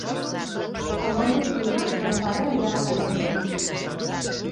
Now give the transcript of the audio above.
El nou d'octubre mon pare irà a Cantallops.